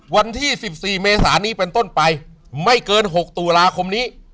วันที่๑๔เมษานี้เป็นต้นไปไม่เกิน๖ตุลาคมนี้